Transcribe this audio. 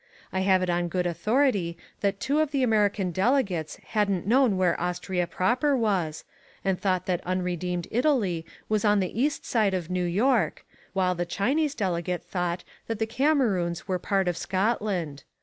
I have it on good authority that two of the American delegates hadn't known where Austria Proper was and thought that Unredeemed Italy was on the East side of New York, while the Chinese Delegate thought that the Cameroons were part of Scotland.